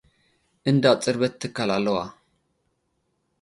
እንዳ ጽርበት ትካል ኣለዋ።